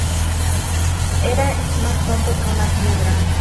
Eres más tonto que una piedra